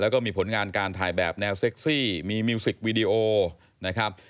แล้วก็มีผลงานการถ่ายแบบแนวเซ็กซี่มีมิวสิกวีดีโอนะครับ